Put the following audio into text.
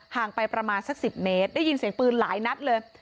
ห่างไปประมาณสัก๑๐เมตรได้ยินเสียงปืนหลายนัดเลย